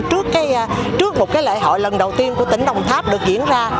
trước một lễ hội lần đầu tiên của tỉnh đồng tháp được diễn ra